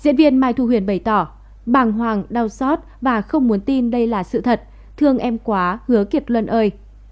diễn viên mai thu huyền bày tỏ bàng hoàng đau xót và không muốn tin đây là sự thật thương em quá hứa kiệt luân ơi